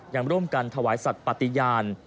ยังร่วมกันถวายสัตว์ปฏิญาณ